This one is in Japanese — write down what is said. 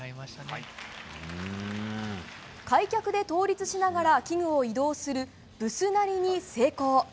開脚で倒立しながら器具を移動するブスナリに成功。